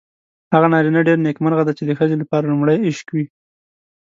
هغه نارینه ډېر نېکمرغه دی چې د ښځې لپاره لومړی عشق وي.